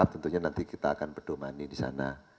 tentunya nanti kita akan berdomani disana